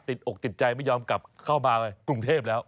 อกติดใจไม่ยอมกลับเข้ามากรุงเทพแล้ว